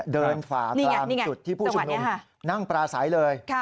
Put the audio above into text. เดินฝากลางจุดที่ผู้ชุมนุมนั่งปลาสายเลย